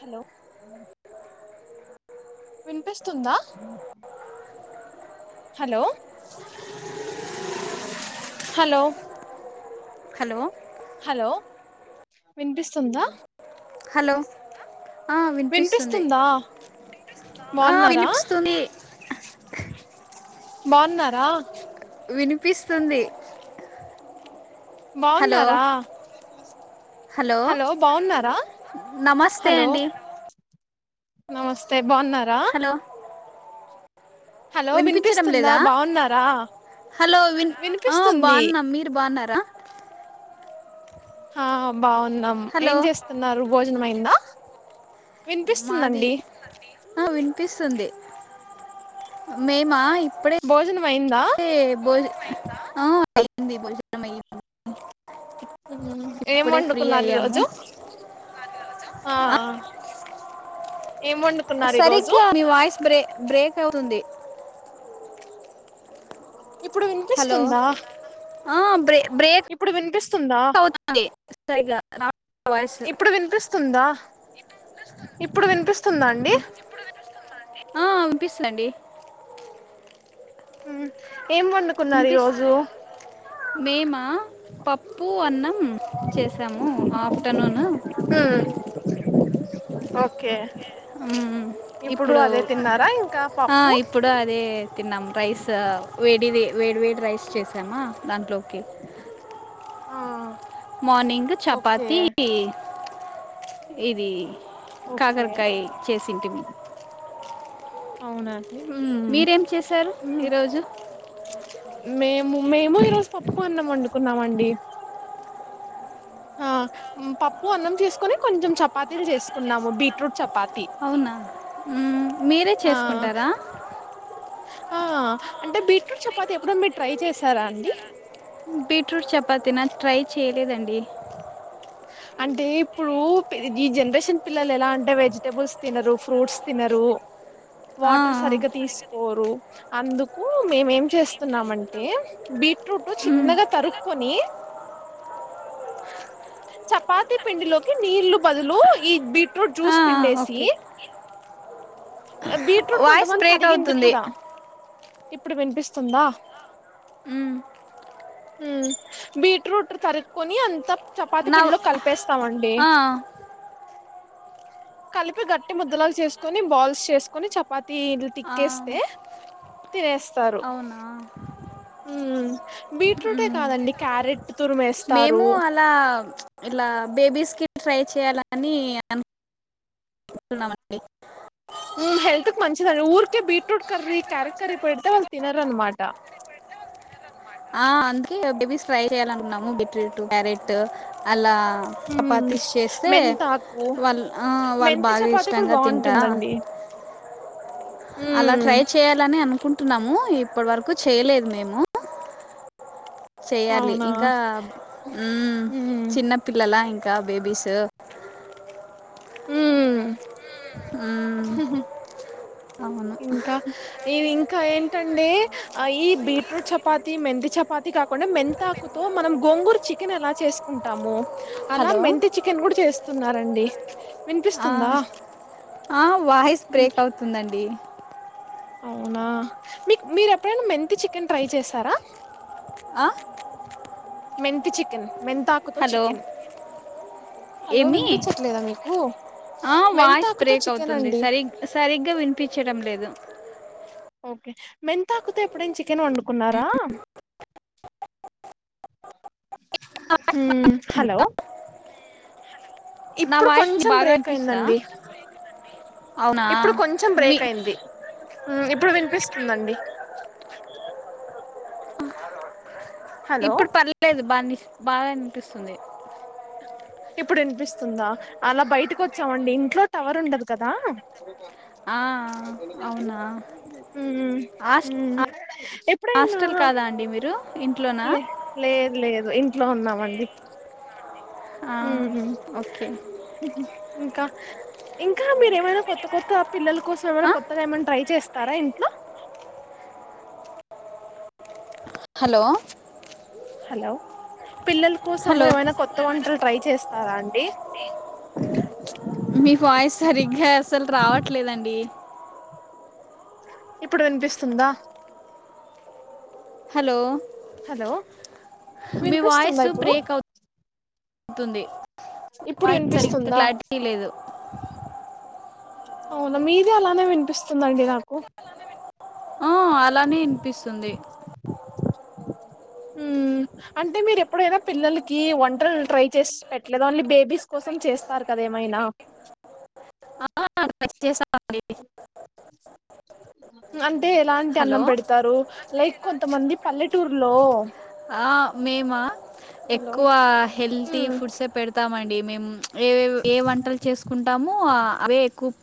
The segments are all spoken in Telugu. హలో వినిపిస్తుందా హలో హలో హలో హలో వినిపిస్తుందా హలో ఆ వినిపిస్తుంది వినిపిస్తుందా ఆ బాగున్నారా వినిపిస్తుంది బాగున్నారా వినిపిస్తుంది హలో బాగున్నారా హలో బాగున్నారా నమస్తే హలో అండి నమస్తే బాగున్నారా హలో హలో వినిపించడం వినిపిస్తుందా లేదా బాగున్నారా హలో వి అ వినిపిస్తుంది బాగున్నా మీరు బాగున్నారా హమ్ బాగున్నాం హలో ఏం చేస్తున్నారు బొజ నమయిందా మాది ఆ వినిపిస్తుంది మే మా ఇప్పుడే మైందా భోజ అ అయింది భోజనం అయింది ఉమ్ ఏం ఇప్పుడే ఫ్రీ వండుకున్నారు అయ్యాము ఈరోజు ఆ ఏం వండు సరిగ్గా మీ వాయిస్ బ్రే బ్రేక్ అవుతుంది ఇప్పుడు హలో వినిపిస్తుందా ఆ బ్రే బ్రేక్ ఇప్పుడు వినిపిస్తుందా అవుతుంది సరిగా రావట్లేదు వాయిస్ ఇప్పుడు వినిపిస్తుందా ఇప్పుడు వినిపిస్తుందా అండి ఆ వినిపిస్తుందండి ఉమ్ ఏం వండుకున్నారు ఈ రోజు మేమ పప్పు అన్న మ్ చేసాము ఆఫ్టర్నూను ఉమ్ ఓకే ఉమ్ ఇప్పుడు అదే తిన్నారా ఇంకా ఆ పప్పు ఇప్పుడు అదే తిన్నాం రైస్ వేడిది వేడి వేడి రైస్ చేసామా దాంట్లోకి ఆ మార్నింగ్ ఓకే చపాతి ఇది ఓకే కాకరకాయ చేసింటిమీ అవునా మీరేం చేశారు ఈరోజు మేము మేము ఈరోజు పప్పు అన్నం వండుకున్నామండి ఆ పప్పు అన్నం చేసుకుొని కొంచెం చపాతీలు చేసుకున్నాము బీట్రూట్ చపా అవునా ఉమ్ మీరే ఆ చేసుకుంటారా ఆ అంటే బీట్రూట్ చపాతి ఎప్పుడన్న మీరు ట్రై చేశారా అండి బీట్రూట్ చపాతి నా ట్రై చేయలేదండి అంటే ఇప్పుడు ఈ జనరేషన్ పిల్లలు ఎలా అంటే వెజిటబుల్స్ తినరు ఫ్రూట్స్ తినరు ఆ, వాటర్ ఆ. సరిగ్గా తీస్ కోరు అందుకు మేమేం చేస్తున్నామంటే బీట్రూట్ మ్మ్. చిన్నగా తరుక్కొని చపాతి పిండిలోకి నీళ్లు బదులు ఈ బీట్రూట్ ఆ, ఆ, జ్యూస్ పిండేసి ఓకే బీట్రూట్ వాయిస్ కొంతమంది బ్రేక్ తరిగింది అవుతుంది కూడా ఇప్పుడు వినిపిస్తుందా మ్మ్. ఉమ్ బీట్రూట్ తరుకొని అంత చపాతి నా పిండిలో కలిపేస్ స్తామండి ఆ, కలిపి గట్టి ముద్దలాగా చేసుకొని బాల్ స్ చేసుకొని చపాతి ఇట్ల ఆ, తిక్కేస్తే తినేస్తారు అవునా ఉమ్ బీట్రూటే కాదండి క్యారె మేము అలా ఇలా బేబీస్కి ట్రై చేయాలని అనుకుంటున్నామండి హెల్త్ కి మంచిదండి ఊరికే బీట్రూట్ కర్రీ క్యారెట్ కర్రీ పెడితే వాళ్ళు తినారనమాట ఆ అందుకే బేబీస్ ఫ్రై చెయ్యాలనుకున్నాము బీట్రూటు క్యారెట్ అలా ఉమ్ చపాతిస్ చేస్తే మెంతాకు వాళ్ ఆ వాళ్ మెంతి బాగా చపాతి కూడా ఇష్టంగా తింటారా బాగుంటుందండి అలా ఉమ్ ట్రై చేయ్యాలని అనుకుం కుంటున్నాము ఇప్పడి వరకు చేయలేదు మేము చెయ్యాలి అవునా ఇంకా ఉమ్ చిన్న పిల్లలా ఇ ఇంకా బేబీస్ ఉమ్ మ్మ్, హుహు. అవును ఇంకా ఇవి ఇంకా ఏంటండె ఆ ఈ బీట్రూట్ చపాతి మెంతి చపాతి కాకుండా మెంతాకుతో మనం గోంగూరు చికెన్ ఎలా చేసుకుంటాము అలా హలో మెంతి చికెన్ కూడా చేస్ తున్నారండి ఆ ఆ వాయిస్ ఉమ్ బ్రేక్ అవుతుందండి అవునా మీక్ మీరు ఎప్పుడైనా మెంతి చికెన్ ట్రై చేశారా ఆ మెంతి చికెన్ మెంతాకుతో హలో చికెన్ హలో ఏమి వినిపించట్లేదా మీకు ఆ వాయిస్ మెంతాకుతో బ్రేక్ చికెన్ అవుతుంది అండి సరి సరిగ్గా వినిపించడం లేదు ఓకే మెంతాకుతో ఎప్పుడైనా చికెన్ వండుకున్నారా ఉమ్ హలో నా ఇప్పుడు వాయిస్ ని కొంచెం బాగా బ్రేక్ అనిపిస్తుందా అయిందండి అవునా ఇప్పుడు కొంచెం మీ బ్రేక్ అయింది ఉమ్ ఇప్పుడు వినిపిస్తుందండి హలో ఇప్పుడు పర్లేదు బా బాగాన్ ఇప్పుడు వినిపిస్తుందా అలా బయటకు వచ్చామండి ఇంట్లో టవర్ ఉండదు కదా ఆ అవునా హ్మ్ హాస్ హ్మ్ హాస్టల్ ఎప్పుడైనా కాదా అండి మీరు ఇంట్లోనా లే లేదు లేదు ఇంట్లో ఉన్నామండి ఆ, హమ్ ఓకే ఇంకా ఇంకా మీర ఏమైనా కొత్త కొత్త పిల్లల కోసం ఏమైనా ఆ? కొత్తగా ఏమైనా ట్రై చేస్తారా ఇంట్లో హలో హలో పిల్లల కోసము హలో ఏమైనా కొత్త వంటలు ట్రై చేస్ తదా అండి మీ వాయిస్ సరిగ్గా అసల్ రావట్ ట్లే లేదండి ఇప్పుడు వినిపిస్తుందా హలో హలో మీ వాయిస్ వినిపిస్తుందా ఇప్పుడు బ్రేక్ అవ్తు తుంది ఇప్పుడు వాయిస్ సరిగ్గా వినిపిస్తుందా క్లారిటీ లేదు అవునా మీదే అలానే వినిపిస్తుందండి నాకు ఆ అలానే వినిపిస్తుంది హ్మ్ అంటే మీరు ఎప్పుడైనా పిల్లలకి వంటలు ట్రై చేసి పెట్టలేదు ఓన్లీ బేబీస్ కోసం చేస్తారు కదా ఏమైనా హా చేసా అంటే ఎలాంటి హలో అన్నం పెడతారు లైక్ కొంతమంది పల్లెటూరులో ఆ! మేమా? ఎక్కువ హ్మ్ మేమేం ప్చ్ ఏ ఏ వంటలు చేసుకుంటాము అవే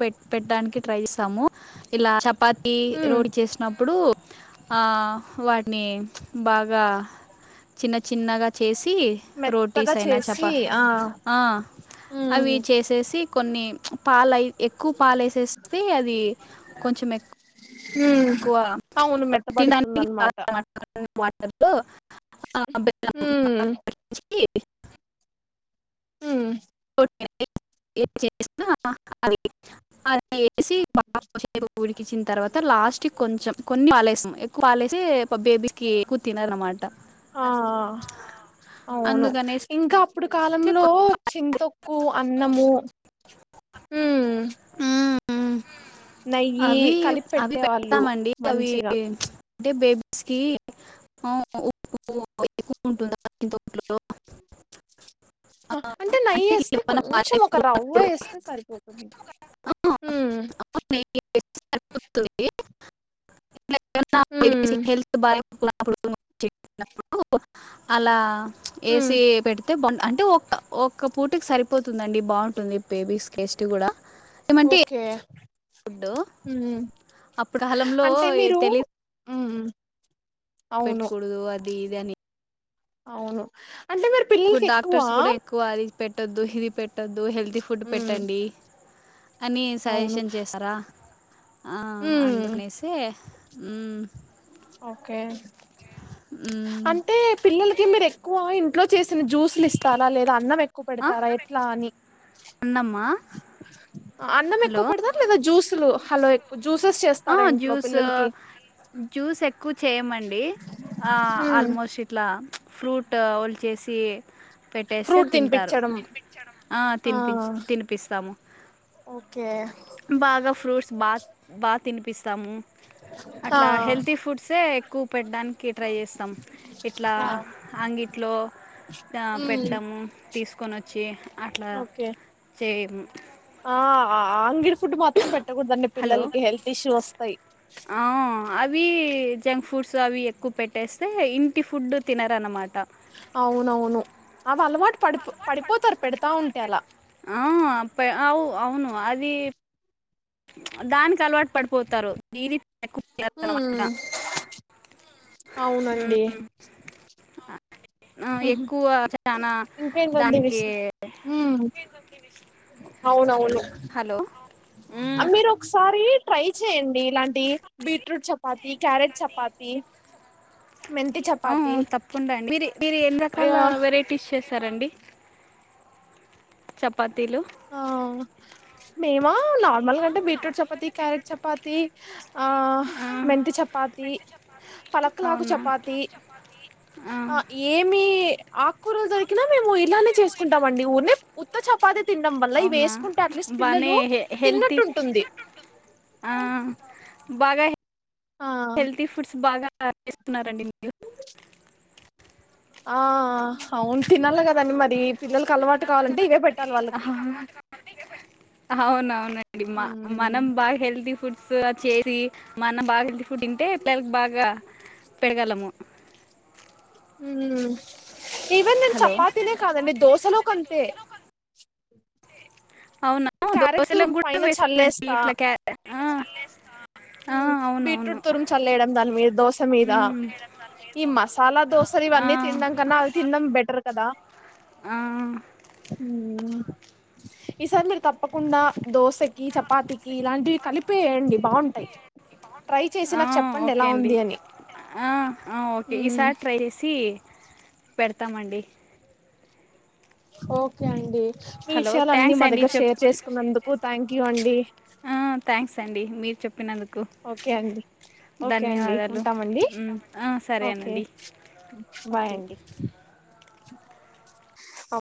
పె పెట్టడానికి ట్రై పైసాము ఇలా చపాతి ఉమ్ రోడి చేసినప్పుడు ఆ వాటిని బాగా చిన్న చి చిన్నగా చేసి రోటీస్ మెత్తగా అయినా చప చేసి ఆ అవి ఉమ్ చేసేసి కొన్ని పాలయి ఎక్కువ పాలేసేస్తే అది కొంచెం ఎక్కు హ అవును మెత్త పడుతుంద అనమాట వాటర్తో ఆ ఉమ్ [unintelligible] ఈ [unintelligible] హ్మ్మ్ [unintelligible] అ అ వేసి బాగా ఉడికిచ్చిన తర్వాత అ లాస్ట్ కి కొంచెం కొన్ని ఎక్కువాపాలెసి ఆ ఆ అవును అందుకనేసి ఇంకా ఇప్పుడు కాలంలో కొ- చింతొక్కు అన్నము మ్మ్. నెయ్యి అవి కలిపి అవి పెట్టే వాళ్ళు పెడతామండి అవి మంచిగా అంటే బేబీస్కి ఉప్పు ఎక్కువ ఉంటుందాట్లలో అంటే నెయ్యి వేస్తే ఏమైనా కొంచెం ఒక రవ్వ పాలేసుకున్నప్పుడు వేస్తే సరిపోతుంది హుమ్ వేస్తే సరిపోతుంది ఎప్పుడన్న బేబీకి ఉమ్ హెల్త్ బా అట్లాటప్పుడు చిన్నపుడు అలా ఉమ్ ఏసే పెట్టు అంటే ఒ ఒకక్క పూటకి సరిపోతుందండి బాగుంటుంది బేబీస్ కేేస్ట్ కూడా ఏమంటే ఓకే ఫుడ్ ఉమ్ అప్పుడు కాలంలో తెలిదు ఉమ్ ఉమ్ పెట్టుకూడదు అది ఈ అదానీ అవును అంటే మీరు ఇప్పుడు పిల్లలకి ఎక్కువ డాక్టర్స్ కూడా ఎక్కువ అది పెట్టొద్దు ఇది పెట్ ట్టద్దు హెల్తీ ఫుడ్ మ్మ్ పెట్టండి అని అవును సజెషన్ చేస్తారా ఆ మ్మ్ అందుకనేసే ఉమ్ ఓకే మ్మ్. అంటే పిల్లలకి మీరు ఎక్కువ ఇ ట్లో చేసిన జ్యూసులు ఇస్తారా లేదా అన్నం ఎక్కువ్ క్కువ ఆ? పెడతారా ఎట్లా అని అన్నమ్మా అన్నం ఎక్కువ హలో పెడదా లేదా జ్యూస్ హలో హలో జ్యూసెస్ ఆ చేస్తారా ఇంట్లో జ్యూస్ పిల్లలకి జ్యూస్ ఎక్కువ చేయమమండి మ్మ్ ఆల్మోస్ట్ ఇట్లా ఫ్రూట్ వలిచేసి పెట్టేస్తే ఫ్రూట్ తింటారు తినిపించడం ఆ తినిపించ తినిపిస్తాము ఓకే బాగా ఫ్రూట్స్ బాగా బాగా తినిపిస్తాము ఆ అట్లా హెల్తీ ఫుడ్సే ఎక్కువ పెట్టడానికి ట్రై చేస్తాం ఇట్లా ఆ అంగిట్లో పెట్ట మ్మ్ తీసుకు కొనచ్చు అట్లా ఓకే చే ము ఆ ఆ అంగిడి ఫుడ్ మాత్రం పెట్ట పెట్టకూడదు అండి హలో. పిల్లలకి హెల్త్ ఇష్యూ వస్తాయి ఆ! అవి జంక్ ఫుడ్స్ అవి ఎక్కువ పెట్టేస్తే ఇంటి ఫుడ్ తినరన్నమాట అవునవును అవి అలవాటు పడిపో పడిపోతారు పెడతా ఉంటే అలా ఆ అప్ప అవు అవును అది దానికి అలవాటు పడిపోతారు దీది ఉమ్ [unintelligible] అవునండి ఆ, ఎక్కువ చాలా ఇంకేటి అండి వీ దానికి అవునవును హలో అ మ్మ్. మీరు ఒకసారి ట్రై చేయండి ఇలాంటి బీట్రూట్ చపాతి క్యారెట్ చపాతి మెంతి ఆ చపాతి తప్పకుండా అండి మీ మీరు ఎన్ని రకాల ఆ వెరైటీస్ చేస్త చపాతీలు ఆ మేము నార్మల్గాంటే బీట్రూట్ చపాతి క్యారెట్ చపాతి ఆ ఆ మెంతి చపాతి పలకలాకు అవునా చపాతి ఆ ఏమి ఆకుకూరలు దొరికినా మేము ఇలానే చేసుకుంటామండి ఉరినే ఉత్త ఛపాతే తినడం వల్ల ఇవి అవునా వేసుకుంటే అట్లీస్ట్ బాగానే పిల్లలు హె హెల్తీ తిన్నట్టుంటుంది ఆ హెల్త్య్ ఫుడ్స్ బాగా చేస్తున్నారండి మీరు ఆ అవును తినాలి కదాండి మరి పిల్లలలకు అలవాటు కావాలంటే ఇవే పెట్ట ఆ అవునవును అండి ఉమ్ మనం బాగా హెల్తీ ఫుడ్ సా చేది మన బాగా ఏందిఫ్ ఫుడ్ తింటే పిల్లలకు బాగా పెరుగలము ఉ ఈవెన్ నేన్ చపాతినే కాదండి దోసలో కంతే అవునా? క్యారెట్ తురుం దోసలకు గూడా పైన వేశారండి చల్లేస్తా ఇట్లా క్యా ఆ! ఆ! అవునవును. బీట్రూట్ తురుం చల్లేయడం దాని మీద దోశ మీద హ్మ్. ఈ మసాలా దోశ ఆ! ఇవన్నీ తినడం కన్నా అవి తినడం బెటర్ కదా ఆ! హు ఈ సారీ మీరు తప్ తప్పకుండా దోశ ఏ ఈ చపాతికి ఇలాంటివి కలిపేయండి బాగుంటాయి ట్రై చేసి ఆ! నాకు చెప్పండి ఓకే ఎలా అండి. ఉంది అని ఆ! ఆ! ఓకే. ఉ ఈసారి ట్రై చేసి పెడతామండి ఓకే అండి మీ హలో! విషయాల అన్నీ థ్యాంక్స్ మా అండి. దగ్గర చెప్ షేర్ చేసుకున్నందుకు థ్యాంక్ యూ అండి తండి మీరు చెప్ ఓకే అండి ఓకే అండి ధన్యవాదాలు. ఉంటామండి హ్మ్. ఆ! ఓకే సరేనండి. Bye okay. అండి అఓ